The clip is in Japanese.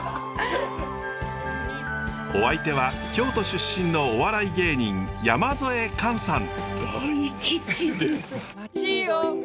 お相手は京都出身のお笑い芸人山添寛さん。